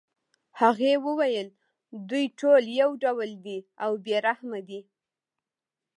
هغې ویل دوی ټول یو ډول دي او بې رحمه دي